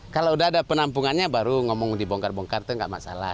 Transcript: kalau udah ada penampungannya baru ngomong dibongkar bongkar itu nggak masalah